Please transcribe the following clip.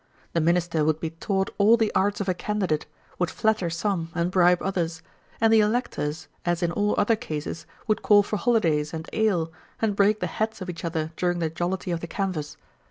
The minister would be taught all the arts of a candidate, would flatter some, and bribe others; and the electors, as in all other cases, would call for holidays and ale, and break the heads of each other during the jollity of the canvas.